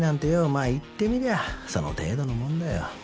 まあいってみりゃその程度のもんだよ。